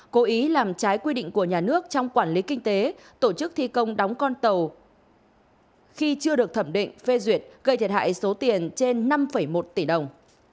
cố ý làm trái quy định của nhà nước trong quản lý kinh tế tổ chức thi công đóng con tàu khi chưa được thẩm định phê duyệt gây thiệt hại số tiền trên năm một tỷ đồng